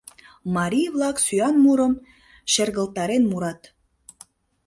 Марий-влак сӱан мурым шергылтарен мурат: